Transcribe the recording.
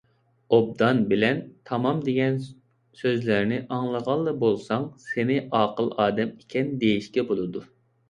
«ئوبدان» بىلەن «تامام» دېگەن سۆزلەرنى ئاڭلىغانلا بولساڭ، سېنى ئاقىل ئادەم ئىكەن دېيىشكە بولىدۇ.